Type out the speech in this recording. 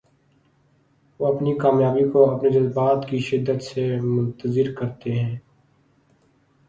وہ اپنی کامیابی کو اپنے جذبات کی شدت سے منتظم کرتے ہیں۔